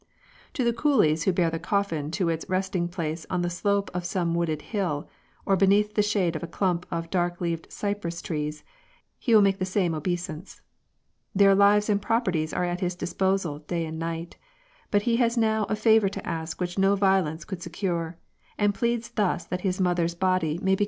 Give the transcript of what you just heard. To the coolies who bear the coffin to its resting place on the slope of some wooded hill, or beneath the shade of a clump of dark leaved cypress trees, he will make the same obeisance. Their lives and properties are at his disposal day and night ; but he has now a favour to ask which no violence could secure, and pleads thus that his mother's body may be 174 FUNERALS.